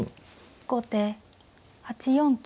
後手８四金。